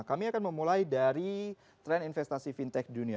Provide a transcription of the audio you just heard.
kami akan memulai dari tren investasi fintech dunia